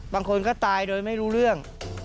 บางคนก็ตายโดยไม่รู้เรื่อง